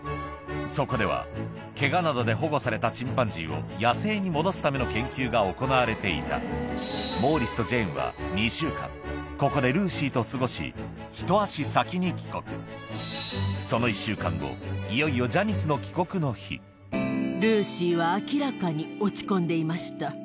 そこではケガなどで保護されたチンパンジーを野生に戻すための研究が行われていたモーリスとジェーンは２週間ここでルーシーと過ごしひと足先に帰国その１週間後いよいよジャニスの帰国の日でも。